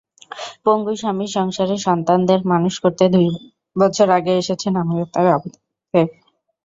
পঙ্গু স্বামীর সংসারে সন্তানদের মানুষ করতে দুই বছর আগে এসেছেন আমিরাতের আবুধাবিতে।